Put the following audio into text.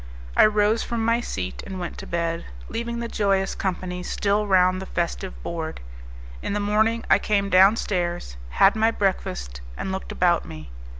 I rose from my seat and went to bed, leaving the joyous company still round the festive board. In the morning I came downstairs, had my breakfast, and looked about me.